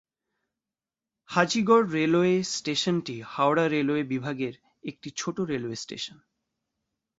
Hajigarh railway স্টেশনটি Howrah railway বিভাগের একটি ছোট রেলওয়ে স্টেশন।